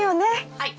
はい。